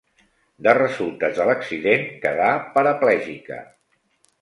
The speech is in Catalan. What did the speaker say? De resultes de l'accident quedà paraplègica.